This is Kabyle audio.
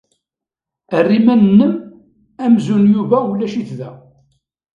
Err iman-nnem amzun Yuba ulac-it da.